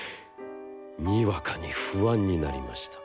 俄に不安になりました。